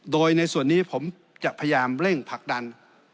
โดยในส่วนนี้ผมจะพยายามเร่งผลักดัน